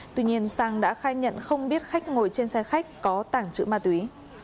tuy nhiên sang đã khai nhận không biết khách ngồi trên xe khách có tảng chữ ma túy